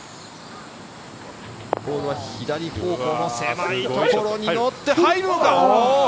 ボールは左方向の狭いところに乗って、入るか。